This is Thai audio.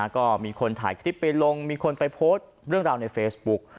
ก็มีคนถ่ายคลิปไปลงมีคนไปโพสต์เรื่องราวในเฟซบุ๊ก